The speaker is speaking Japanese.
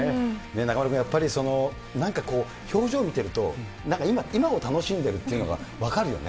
中丸君、やっぱりなんかこう、表情見てると、今を楽しんでるっていうのが分かるよね。